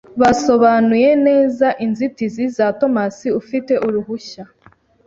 basobanuye neza inzitizi za Tomasi ufite uruhushya